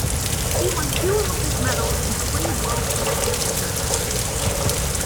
He won two Olympic medals and three World Championship medals.